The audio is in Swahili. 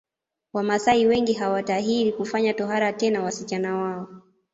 Wamaasai wengi hawatahiri kufanya tohara tena wasichana wao